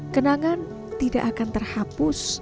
kenangan tidak akan terhapus